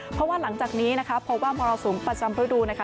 เพราะว่าหลังจากนี้นะคะพบว่ามรสุมประจำฤดูนะคะ